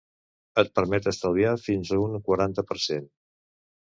et permeti estalviar fins a un quaranta per cent